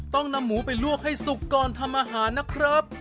ต้องนำหมูไปลวกให้สุกก่อนทำอาหารนะครับ